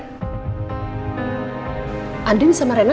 apa andin bermasalah sama om irfan ya